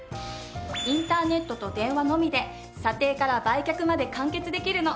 インターネットと電話のみで査定から売却まで完結できるの。